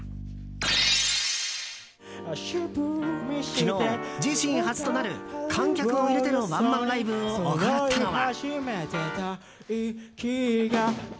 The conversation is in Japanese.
昨日、自身初となる観客を入れてのワンマンライブを行ったのは。